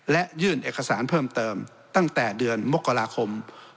และยื่นเอกสารเพิ่มเติมตั้งแต่เดือนมกราคม